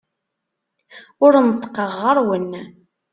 Ur neṭṭqeɣ ɣer-wen.